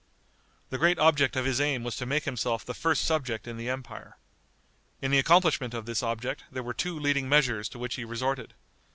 The great object of his aim was to make himself the first subject in the empire. In the accomplishment of this object there were two leading measures to which he resorted.